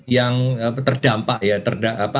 yang terdampak ya